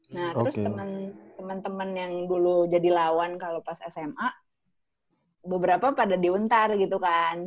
nah terus temen temen yang dulu jadi lawan kalo pas sma beberapa pada diuntar gitu kan